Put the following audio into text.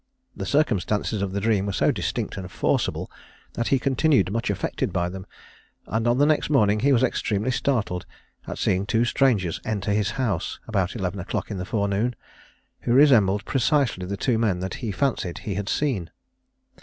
The circumstances of the dream were so distinct and forcible that he continued much affected by them; and on the next morning he was extremely startled at seeing two strangers enter his house, about eleven o'clock in the forenoon, who resembled precisely the two men that he fancied he had seen.